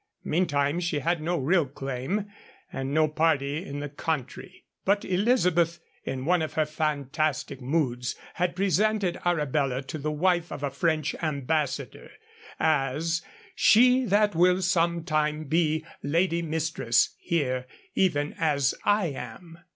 Meantime she had no real claim, and no party in the country. But Elizabeth, in one of her fantastic moods, had presented Arabella to the wife of a French ambassador, as 'she that will sometime be Lady Mistress here, even as I am.'